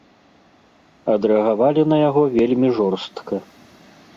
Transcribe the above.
Адрэагавалі на яго вельмі жорстка.